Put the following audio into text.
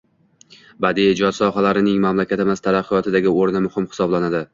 badiiy ijod sohalarining mamlakatimiz taraqqiyotidagi o‘rni muhim hisoblanadi.